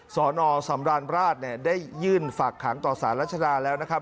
สนสำราญราชเนี่ยได้ยื่นฝากขังต่อสารรัชดาแล้วนะครับ